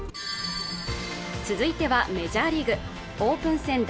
続いてはメジャーリーグオープン戦